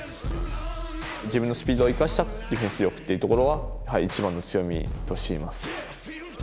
自分のスピードを生かしたディフェンス力っていうところは一番の強みとしています。